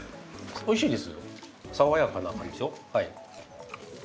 おいしいです。